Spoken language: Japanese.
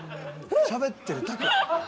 しゃべってるだけ。